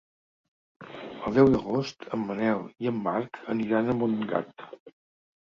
El deu d'agost en Manel i en Marc aniran a Montgat.